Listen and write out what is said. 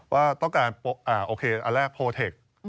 ว่าต้องการโอเคอันแรกโพเทค